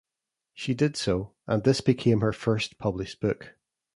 She did so, and this became her first published book.